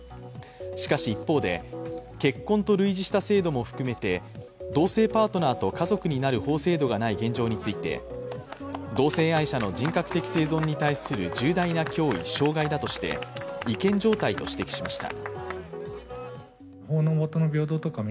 しかし、一方で結婚と類似した制度も含めて、同性パートナーと家族になる法制度がない現状について同性愛者の人格的生存に対する重大な脅威、障害だとして違憲状態と指摘しました。